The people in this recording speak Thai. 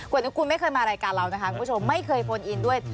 กว่าทุกคนไม่เคยมารายการเรานะคะไม่เคยโฟนอินด้วย